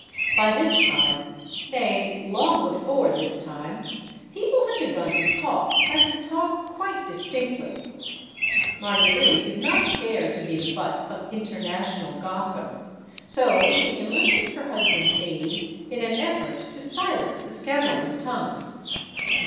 By this time nay, long before this time people had begun to talk, and to talk quite distinctly. Mar guerite did not care to be the butt of international gos sip, so she enlisted her husband's aid in an effort to silence the scandalous tongues.